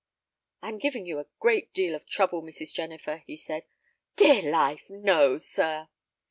"I am giving you a great deal of trouble, Mrs. Jennifer," he said. "Dear life, no, sir."